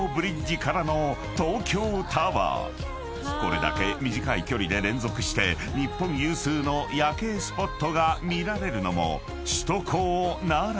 ［これだけ短い距離で連続して日本有数の夜景スポットが見られるのも首都高ならでは］